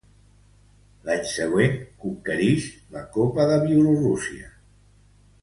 L'any següent, conquerix la Copa de Bielorússia.